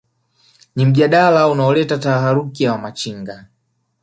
ni mjadala unaoleta taharuki ya Wamachinga